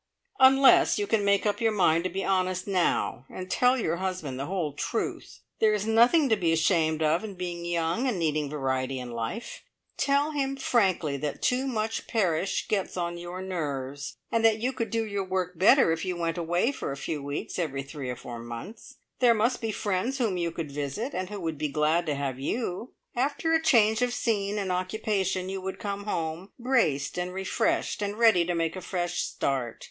"Unless you can make up your mind to be honest now, and tell your husband the whole truth. There is nothing to be ashamed of in being young and needing variety in life. Tell him frankly that too much parish gets on your nerves, and that you could do your work better if you went away for a few weeks every three or four months. There must be friends whom you could visit, and who would be glad to have you. After a change of scene and occupation you would come home braced and refreshed, and ready to make a fresh start.